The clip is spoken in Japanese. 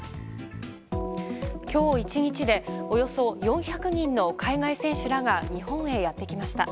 今日１日でおよそ４００人の海外選手らが日本へやってきました。